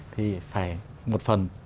thì phải một phần